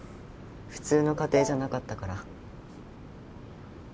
普通の家庭じゃなかったから。